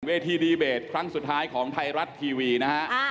เวทีดีเบตครั้งสุดท้ายของไทยรัฐทีวีนะฮะ